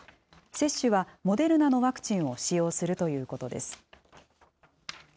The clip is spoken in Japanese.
接種はモデルナのワクチンを使用するということです。